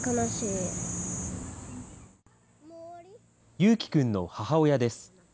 ゆうきくんの母親です。